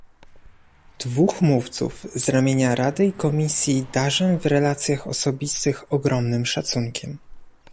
Dwóch mówców z ramienia Rady i Komisji darzę w relacjach osobistych ogromnym szacunkiem